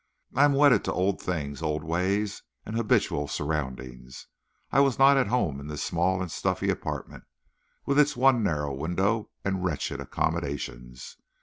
I am wedded to old things, old ways, and habitual surroundings. I was not at home in this small and stuffy apartment, with its one narrow window and wretched accommodations.